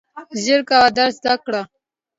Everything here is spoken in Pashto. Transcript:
ژر کوه درس زده کړه !